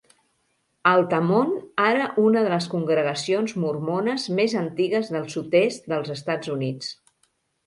Altamont ara una de les congregacions mormones més antigues del sud-est dels Estats Units.